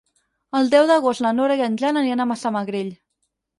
El deu d'agost na Nora i en Jan aniran a Massamagrell.